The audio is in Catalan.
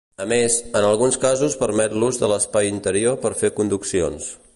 A més, en alguns casos permet l'ús de l'espai interior per fer conduccions.